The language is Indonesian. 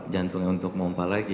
jantungnya untuk mumpal lagi